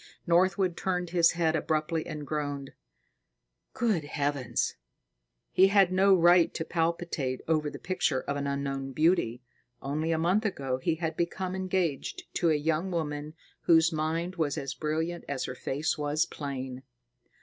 Northwood turned his head abruptly and groaned, "Good Heavens!" He had no right to palpitate over the picture of an unknown beauty. Only a month ago, he had become engaged to a young woman whose mind was as brilliant as her face was plain.